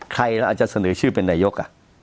ใครอ่ะอาจจะเสนอชื่อเป็นนายยก